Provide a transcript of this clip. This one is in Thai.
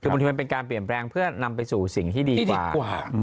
คือบางทีมันเป็นการเปลี่ยนแปลงเพื่อนำไปสู่สิ่งที่ดีกว่า